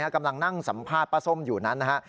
กำลังนั่งสัมภาษณ์ป้าส้มอยู่นั้นนะฮะ